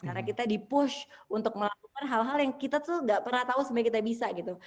karena kita di push untuk melakukan hal hal yang kita tuh gak pernah tahu sebenarnya kita bisa gitu